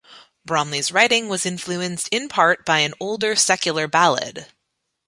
Brumley's writing was influenced in part by an older secular ballad.